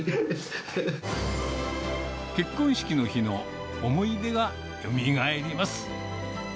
結婚式の日の思い出がよみがえります。